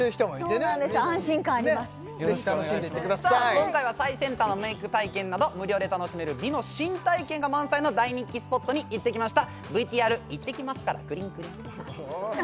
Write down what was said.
今回は最先端のメイク体験など無料で楽しめる美の新体験が満載の大人気スポットに行ってきましたＶＴＲ行ってきマスカラくりんくりん！